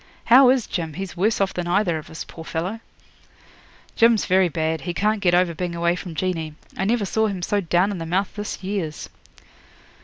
How is Jim? He's worse off than either of us, poor fellow.' 'Jim's very bad. He can't get over being away from Jeanie. I never saw him so down in the mouth this years.'